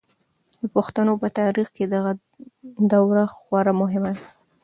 د پښتنو په تاریخ کې دغه دوره خورا مهمه ده.